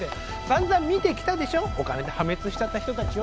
散々見てきたでしょお金で破滅しちゃった人たちを。